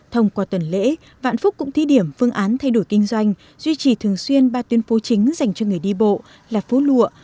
thông qua tuần lễ vạn phúc cũng thí điểm phương án thay đổi kinh doanh duy trì thường xuyên ba tuyến phố chính dành cho người đi bộ là phố lụa